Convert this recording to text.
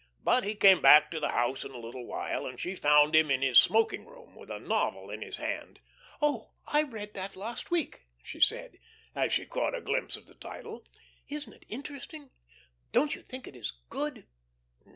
But he came back to the house in a little while, and she found him in his smoking room with a novel in his hand. "Oh, I read that last week," she said, as she caught a glimpse of the title. "Isn't it interesting? Don't you think it is good?"